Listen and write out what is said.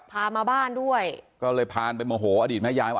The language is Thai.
พามาบ้านด้วยก็เลยพาไปโมโหอดีตแม่ยายว่า